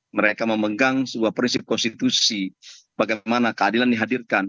mereka memegang sebuah prinsip konstitusi bagaimana keadilan dihadirkan